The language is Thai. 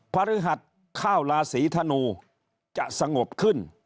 พฤหัสข้าวลาศรีธนูจะสงบขึ้น